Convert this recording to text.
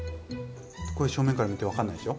正面から見て分かんないでしょ。